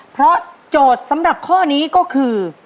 เพราะโจทย์สำหรับข้อนี้ก็คือ